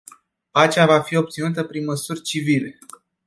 Pacea va fi obținută prin măsuri civile.